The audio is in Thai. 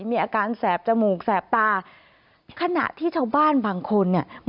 มีอาการแสบจมูกแสบตาขณะที่ชาวบ้านบางคนเนี่ย